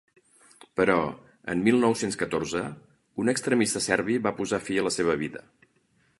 Però, en mil nou-cents catorze, un extremista serbi va posar fi a la seva vida.